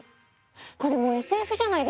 これもうＳＦじゃないですか！